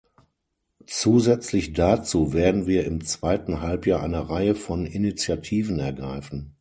Zusätzlich dazu werden wir im zweiten Halbjahr eine Reihe von Initiativen ergreifen.